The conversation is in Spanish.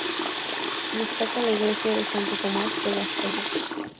Destaca la Iglesia de Santo Tomás de las Ollas.